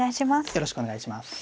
よろしくお願いします。